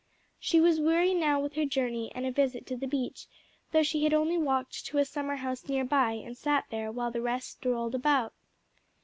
She was weary now with her journey and a visit to the beach, though she had only walked to a summer house near by and sat there while the rest strolled about.